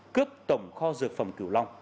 cướp tổng kho dược phẩm cửu long